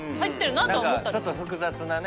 何かちょっと複雑なね。